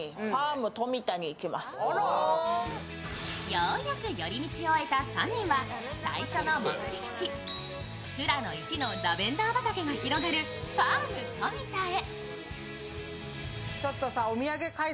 ようやく寄り道を終えた３人は最初の目的地、富良野いちのラベンダー畑が広がるファーム富田へ。